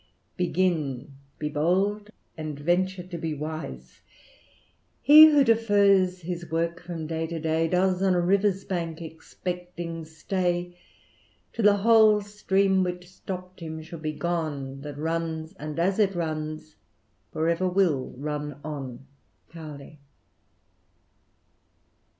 "Begin, be bold, and venture to be wise; He who defers his work from day to day. Does on a river's bank expecting stay, Till the whole stream, which stopp'd him, should be gone. That runs, and as it runs, for ever will run on." Cowley.